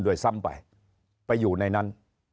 โดยซ้ำไปไปอยู่ในนั้น